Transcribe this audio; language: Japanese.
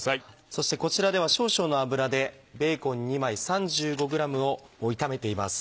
そしてこちらでは少々の油でベーコン２枚３５ｇを炒めています。